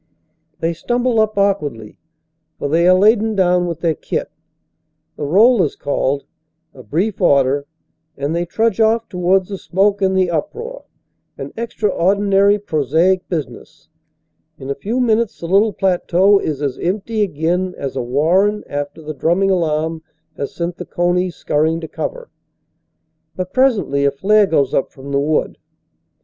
They stumble up awkwardly, for they are laden down with their kit. The roll is called, a brief order, and they trudge off toward the smoke and the uproar an extraordinary prosaic business. In a few minutes the little plateau is as empty again 211 212 CANADA S HUNDRED DAYS as a warren after the drumming alarm has sent the conies scurrying to cover. But presently a flare goes up from the wood.